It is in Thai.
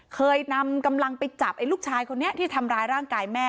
เคยนำกำลังไปจับไอ้ลูกชายคนนี้ที่ทำร้ายร่างกายแม่